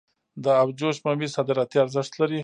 د ابجوش ممیز صادراتي ارزښت لري.